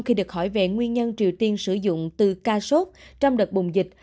khi được hỏi về nguyên nhân triều tiên sử dụng từ ca sốt trong đợt bùng dịch